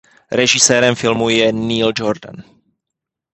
Režisérem filmu je Neil Jordan.